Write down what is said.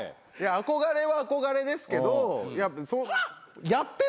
憧れは憧れですけどやってるしもう。